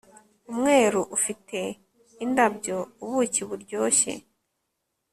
Umweru ufite indabyo ubukiburyoshye